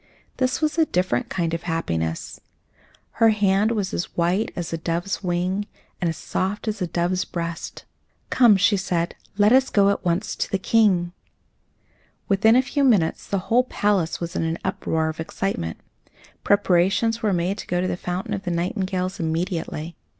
This was a different kind of happiness. Her hand was as white as a dove's wing and as soft as a dove's breast. "Come," she said, "let us go at once to the King." [Illustration: FAIRYFOOT LOVED HER INA MOMENT, AND HE KNELT ON ONE KNEE.] Within a few minutes the whole palace was in an uproar of excitement. Preparations were made to go to the fountain of the nightingales immediately.